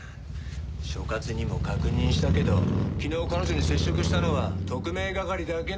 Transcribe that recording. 所轄にも確認したけど昨日彼女に接触したのは特命係だけなんだって。